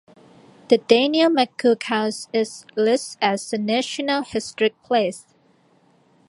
The Daniel McCook House is listed as a National Historic Place.